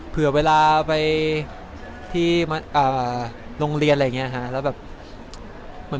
เผื่อเวลาไปที่โรงเรียนอะไรอย่างนี้ค่ะ